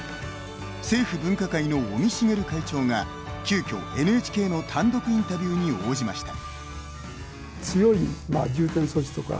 政府分科会の尾身茂会長が急きょ、ＮＨＫの単独インタビューに応じました。